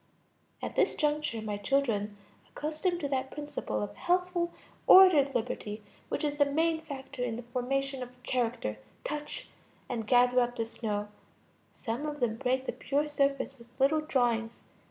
At this juncture my children, accustomed to that principle of healthful, ordered liberty which is the main factor in the formation of character, touch and gather up the snow; some of them break the pure surface with little drawings.